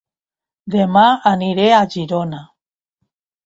Dema aniré a Girona